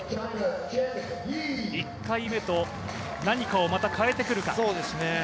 １回目と何かをまた変えてくるか。